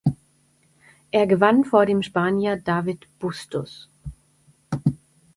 Er gewann vor dem Spanier David Bustos.